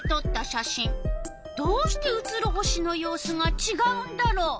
どうして写る星の様子がちがうんだろう？